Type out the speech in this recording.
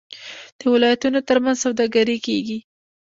د ولایتونو ترمنځ سوداګري کیږي.